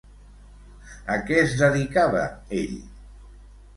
A què es dedicava ell?